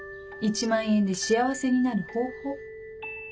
１万円で幸せになる方法。